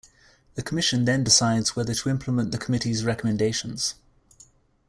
The Commission then decides whether to implement the Committee's recommendations.